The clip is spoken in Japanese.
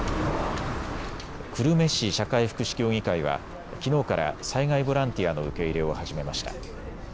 久留米市社会福祉協議会はきのうから災害ボランティアの受け入れを始めました。